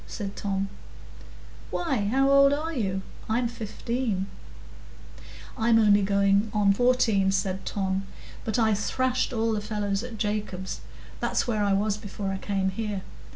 said Tom. "Why, how old are you? I'm fifteen." "I'm only going in fourteen," said Tom. "But I thrashed all the fellows at Jacob's—that's where I was before I came here.